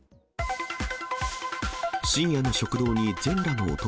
深夜の食堂に全裸の男。